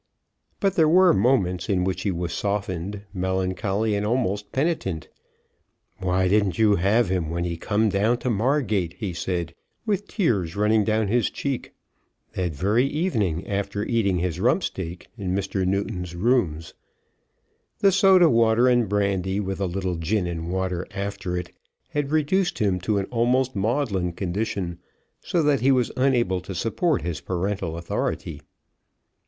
But there were moments in which he was softened, melancholy, and almost penitent. "Why didn't you have him when he come down to Margate," he said, with the tears running down his cheek, that very evening after eating his rump steak in Mr. Newton's rooms. The soda water and brandy, with a little gin and water after it, had reduced him to an almost maudlin condition, so that he was unable to support his parental authority.